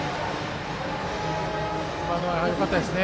今のはよかったですね。